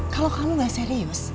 kalau kamu tidak serius